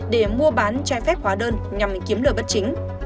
để mua bán trái phép hóa đơn nhằm kiếm lời bất chính